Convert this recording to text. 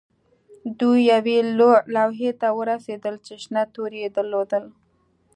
دوی یوې لوحې ته ورسیدل چې شنه توري یې درلودل